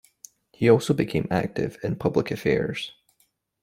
He also became active in public affairs.